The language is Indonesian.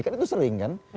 kan itu sering kan